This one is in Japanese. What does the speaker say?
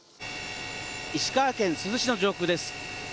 石川県珠洲市の上空です。